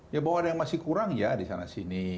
ya bahwa ada yang masih kurang ya disana sini